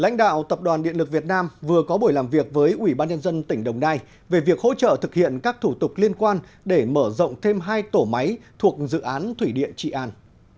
lãnh đạo tập đoàn điện lực việt nam vừa có buổi làm việc với ủy ban nhân dân tỉnh đồng nai về việc hỗ trợ thực hiện các thủ tục liên quan để mở rộng thêm hai tổ máy thuộc dự án thủy điện trị an